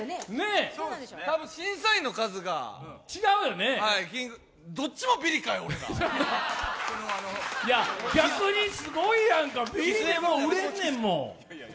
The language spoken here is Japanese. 多分、審査員の数がどっちもビリかよ、俺ら！逆にすごいやんか、ビリでも売れんねんもん。